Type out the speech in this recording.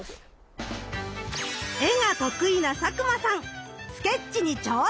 絵が得意な佐久間さん。